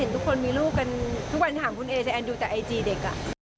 ทุกคนมีลูกกันทุกวันถามคุณเอแต่แอนดูแต่ไอจีเด็กอ่ะ